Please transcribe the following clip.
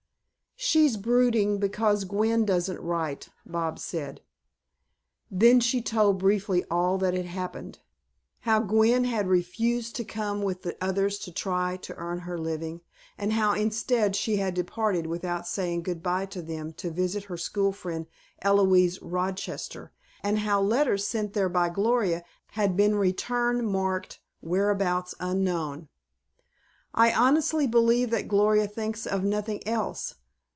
"She's brooding because Gwen doesn't write," Bobs said. Then she told briefly all that had happened: how Gwen had refused to come with the others to try to earn her living, and how instead she had departed without saying good bye to them to visit her school friend, Eloise Rochester, and how letters, sent there by Gloria, had been returned marked "Whereabouts unknown." "I honestly believe that Gloria thinks of nothing else.